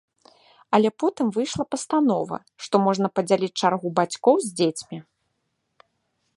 Але потым выйшла пастанова, што можна падзяліць чаргу бацькоў з дзецьмі.